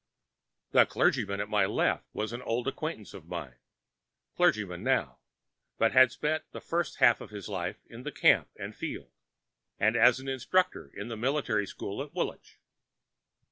The clergyman at my left was an old acquaintance of mine—clergyman now, but had spent the first half of his life in the camp and field, and as an instructor in the military school at Woolwich.